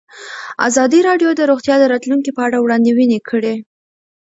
ازادي راډیو د روغتیا د راتلونکې په اړه وړاندوینې کړې.